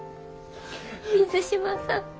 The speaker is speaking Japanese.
水島さん。